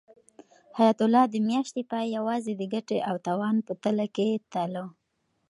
حیات الله د میاشتې پای یوازې د ګټې او تاوان په تله کې تلاوه.